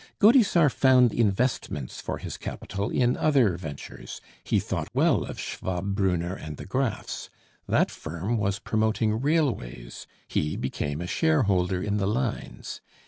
Gaudissart found investments for his capital in other ventures. He thought well of Schwab, Brunner, and the Graffs; that firm was promoting railways, he became a shareholder in the lines.